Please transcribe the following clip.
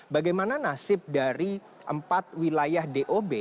bagaimana nasib dari empat wilayah dob